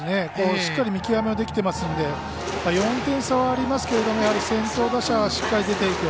しっかり見極めはできてますので４点差はありますけれども先頭打者はしっかり出たいと。